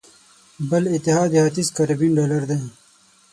بل اتحاد د ختیځ کارابین ډالر دی.